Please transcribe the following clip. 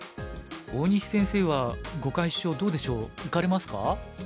大西先生は碁会所どうでしょう行かれますか？